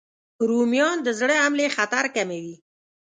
رومیان د زړه حملې خطر کموي